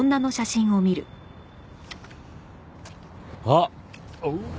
あっ！